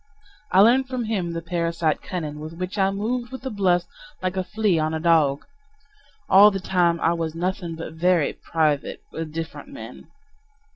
I learned from him the parasite cunning With which I moved with the bluffs, like a flea on a dog. All the time I was nothing but "very private," with different men.